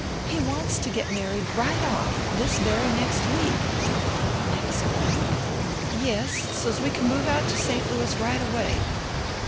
He wants to get married right off this very next week." "Next week?" "Yes. So's we can move out to St. Louis right away."